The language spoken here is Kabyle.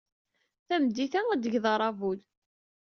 Tameddit-a, ad d-tged aṛabul.